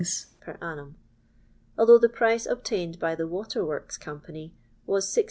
per annum), although the price obtained by the Water works Company waa 64(2.